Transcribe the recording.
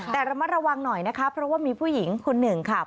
แต่ระมัดระวังหน่อยนะคะเพราะว่ามีผู้หญิงคนหนึ่งค่ะ